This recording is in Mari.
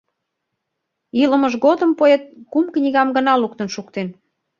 Илымыж годым поэт кум книгам гына луктын шуктен.